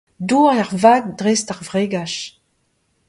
Dour er vag dreist ar vregaj.